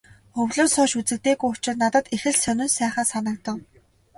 Өвлөөс хойш үзэгдээгүй учир надад их л сонин сайхан санагдав.